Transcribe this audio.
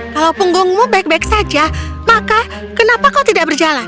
kalau punggungmu baik baik saja maka kenapa kau tidak berjalan